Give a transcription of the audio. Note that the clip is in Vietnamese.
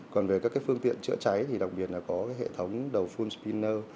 còn về các phương tiện chữa cháy thì đồng biệt là có hệ thống đầu full spinner